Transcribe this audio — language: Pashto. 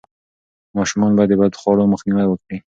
ماشومان باید د بدخواړو مخنیوی وکړي.